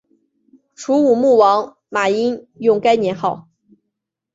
楚武穆王马殷用该年号。